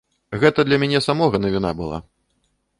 Гэта для мяне самога навіна была.